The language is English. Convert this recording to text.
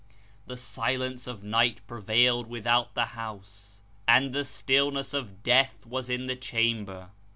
The silence of night prevailed without the house, and the stillness of death was in the chamber.